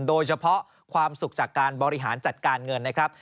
โดยเฉพาะความสุขจากการบริหารจัดการเงินนะครับ